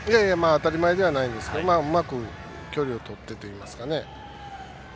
当たり前ではないですけどうまく距離をとってといいますか。